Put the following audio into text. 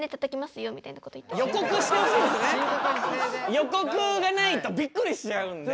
予告がないとびっくりしちゃうんで。